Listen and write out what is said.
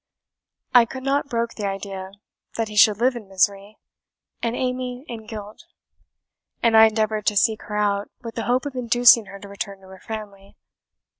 I could not brook the idea that he should live in misery, and Amy in guilt; and I endeavoured to seek her out, with the hope of inducing her to return to her family.